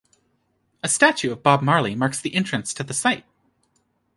A statue of Bob Marley marks the entrance to the site.